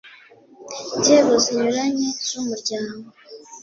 Nzego zinyuranye z umuryango